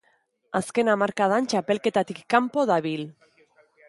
Azken hamarkadan txapelketatik kanpo dabil.